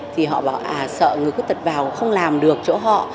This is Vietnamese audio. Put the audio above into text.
thì họ bảo sợ người khuyết tật vào không làm được chỗ họ